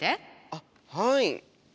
あっはい。